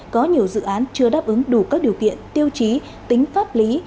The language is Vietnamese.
có nhiều dự án chưa đáp ứng đủ các điều kiện tiêu chí tính pháp lý